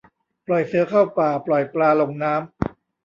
ปล่อยเสือเข้าป่า ปล่อยปลาลงน้ำ